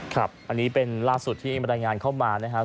ครับอันนี้เป็นล่าสุดที่บรรยายงานเข้ามานะครับ